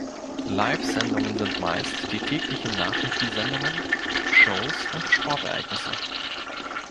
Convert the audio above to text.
Live-Sendungen sind meist die täglichen Nachrichtensendungen, Shows oder Sportereignisse.